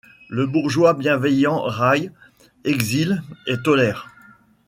Le bourgeois bienveillant raille, exile et tolère